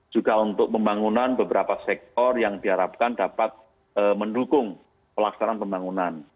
juga untuk pembangunan beberapa sektor yang diharapkan dapat mendukung pelaksanaan pembangunan